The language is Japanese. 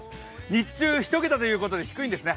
日中１桁ということで低いんですね